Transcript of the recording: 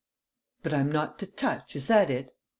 "But I'm not to touch is that it?"